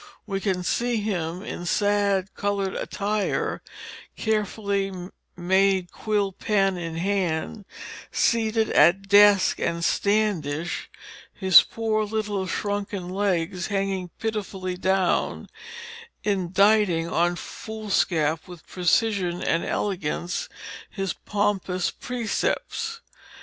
We can see him in sad colored attire, carefully made quill pen in hand, seated at desk and standish, his poor little shrunken legs hanging pitifully down, inditing on foolscap with precision and elegance his pompous precepts.